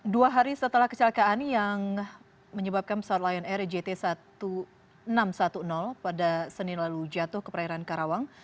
dua hari setelah kecelakaan yang menyebabkan pesawat lion air jt seribu enam ratus sepuluh pada senin lalu jatuh ke perairan karawang